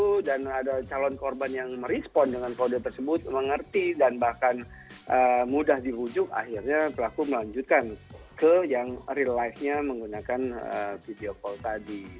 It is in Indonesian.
itu dan ada calon korban yang merespon dengan kode tersebut mengerti dan bahkan mudah dihujung akhirnya pelaku melanjutkan ke yang real life nya menggunakan video call tadi